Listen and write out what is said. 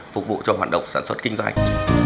phục vụ cho hoạt động sản xuất kinh doanh